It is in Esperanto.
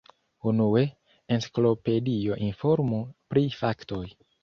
Unue, enciklopedio informu pri faktoj.